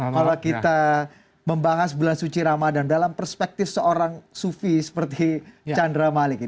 kalau kita membahas bulan suci ramadan dalam perspektif seorang sufi seperti chandra malik